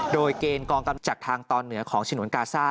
โดยเกณฑ์กองกำจัดทางตอนเหนือของฉนวนกาซ่า